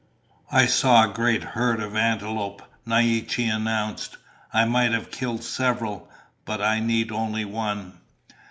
"I saw a great herd of antelope," Naiche announced. "I might have killed several, but I need only one."